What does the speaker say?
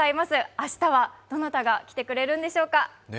明日はどなたが来てくれるんでしょうか？